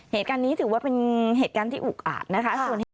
เหตุการณ์นี้ถือว่าเป็นเหตุการณ์ที่อุกอาจนะคะ